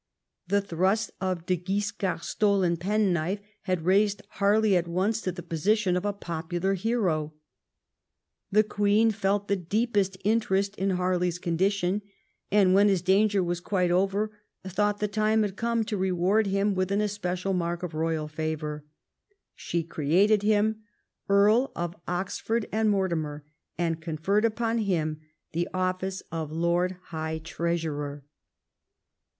The thrust of De Ouiscard's stolen penknife had raised Harley at once to the position of a popular hero. The Queen felt the deepest interest in Harley's condition, and when his danger was quite over thought the time had come to reward him with an especial mark of royal favor. She created him Earl of Oxford and Mortimer, and conferred upon him the office of Lord High Treasurer.